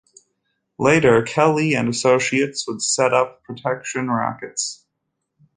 Later Kelly and associates would set up protection rackets.